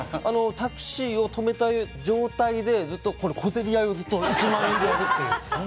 タクシーを止めた状態で小競り合いをずっとやるっていう。